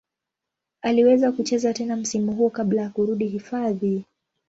Aliweza kucheza tena msimu huo kabla ya kurudi hifadhi.